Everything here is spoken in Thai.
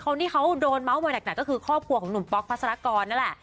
คนที่เขาโดนเมาส์วันหนักก็คือครอบครัวของหนุ่มป๊อกพัศรกรนั่นแหละ